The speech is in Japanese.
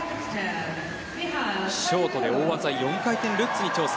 ショートで大技、４回転ルッツに挑戦